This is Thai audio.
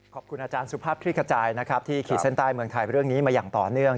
ขอบคุณอาจารย์สุภาพคลิกขจายนะครับที่ขีดเส้นใต้เมืองไทยเรื่องนี้มาอย่างต่อเนื่อง